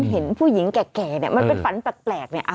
เห็นผู้หญิงแก่มันเป็นฝันแปลก